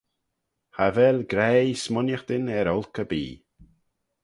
Cha vel graih smooinaghtyn er olk erbee.